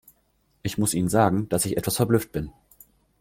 Ich muss Ihnen sagen, dass ich etwas verblüfft bin.